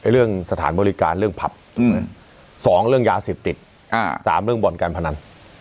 เรื่องสถานบริการเรื่องผับ๒เรื่องยาเสพติด๓เรื่องบ่อนการพนัน